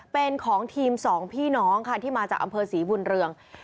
เป็นของทีมสองพี่น้องค่ะที่มาจากอำเภอศรีบุญเรือง